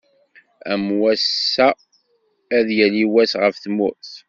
Am wass-a ad yali wass ɣef tmurt.